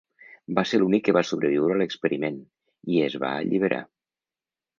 Va ser l'únic que va sobreviure a l'experiment, i es va alliberar.